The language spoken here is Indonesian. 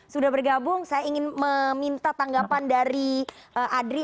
sudah bergabung saya ingin meminta tanggapan dari adri